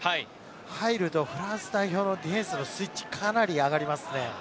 入るとフランス代表のディフェンスのスイッチ、かなり上がりますね。